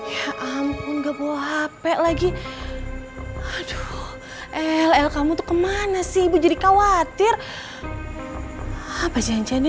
ya ampun gak bawa hp lagi aduh ll kamu tuh kemana sih ibu jadi khawatir apa janjinya